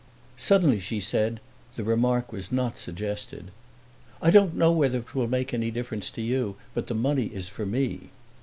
Suddenly she said the remark was not suggested: "I don't know whether it will make any difference to you, but the money is for me."